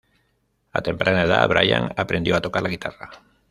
A temprana edad, Brian aprendió a tocar la guitarra.